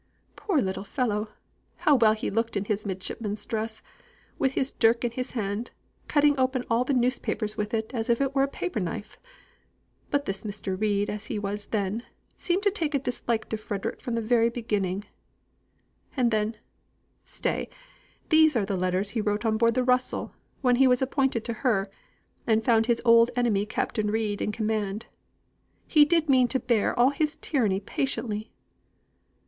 Poor little fellow, how well he looked in his midshipman's dress, with his dirk in his hand, cutting open all the newspapers with it as if it were a paper knife! But this Mr. Reid, as he was then, seemed to take a dislike to Frederick from the very beginning. And then stay! these are the letters he wrote on board the Russell. When he was appointed to her, and found his old enemy Captain Reid in command, he did mean to bear all his tyranny patiently.